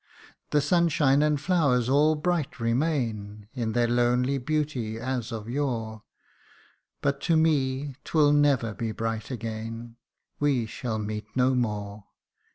The sunshine and flowers all bright remain In their lonely beauty, as of yore ; But to me 'twill never be bright again We shall meet no more